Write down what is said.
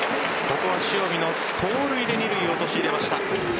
ここは塩見の盗塁で二塁を陥れました。